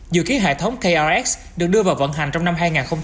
dự kiến hệ thống krs được đưa vào vận hành trong năm hai nghìn hai mươi